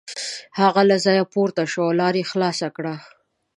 هغه له ځایه پورته شو او لار یې خلاصه کړه.